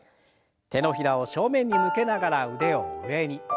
手のひらを正面に向けながら腕を上に。